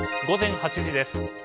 午前８時です。